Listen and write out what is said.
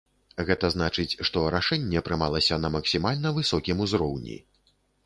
Гэта значыць, што рашэнне прымалася на максімальна высокім узроўні.